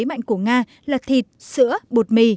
thế mạnh của nga là thịt sữa bột mì